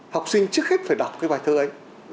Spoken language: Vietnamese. học sinh trước hết phải đọc cái bài thơ ấy